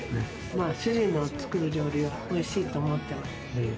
主人の作る料理は、おいしいと思ってます。